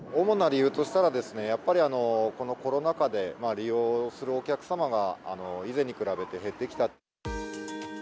主な理由としたらですね、やっぱりこのコロナ禍で利用するお客様が、以前に比べて減ってきた。